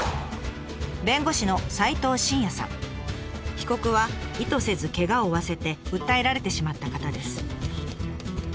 被告は意図せずけがを負わせて訴えられてしまった方です。